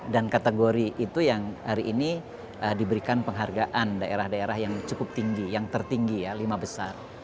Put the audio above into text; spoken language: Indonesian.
kategori itu yang hari ini diberikan penghargaan daerah daerah yang cukup tinggi yang tertinggi ya lima besar